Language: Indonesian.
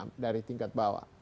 ya dari tingkat bawah